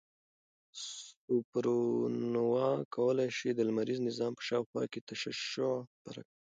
سوپرنووا کولای شي د لمریز نظام په شاوخوا کې تشعشع خپره کړي.